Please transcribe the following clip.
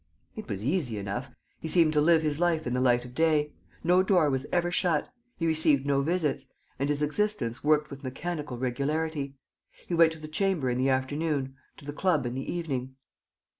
It was easy enough. He seemed to live his life in the light of day. No door was ever shut. He received no visits. And his existence worked with mechanical regularity. He went to the Chamber in the afternoon, to the club in the evening.